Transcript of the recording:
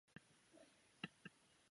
硫氰酸亚铜可以用作防污涂料。